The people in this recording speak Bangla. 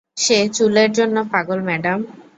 সে চুলের জন্য পাগল, ম্যাডাম।